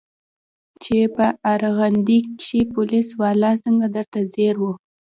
چې په ارغندې کښې پوليس والا څنګه درته ځير و.